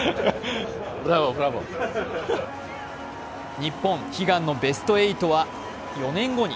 日本悲願のベスト８は４年後に。